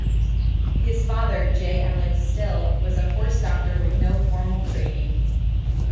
His father, J. Alex Still, was a horse doctor with no formal training.